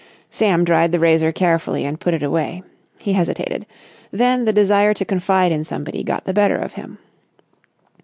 Sam dried the razor carefully and put it away. He hesitated. Then the desire to confide in somebody got the better of him.